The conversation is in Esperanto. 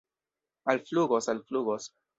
Alflugos, alflugos!